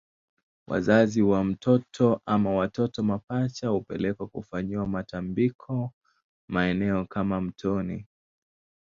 Wazazi wa mtoto ama watoto mapacha hupelekwa kufanyiwa matambiko maeneo kama mtoni